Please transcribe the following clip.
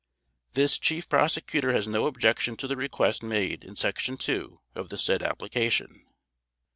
This Chief Prosecutor has no objection to the request made in Section II of the said application.